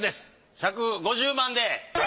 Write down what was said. １５０万！